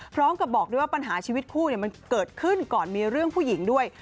พร้อมกับบอกด้วยว่าปัญหาชีวิตคู่มันเกิดขึ้นก่อนมีเรื่องผู้หญิงด้วย